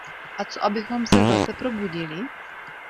A co abychom se zase probudili?